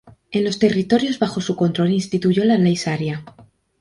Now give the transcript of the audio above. En los territorios bajo su control instituyó la ley Sharia.